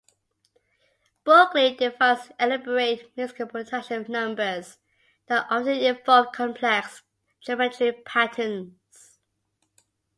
Berkeley devised elaborate musical production numbers that often involved complex geometric patterns.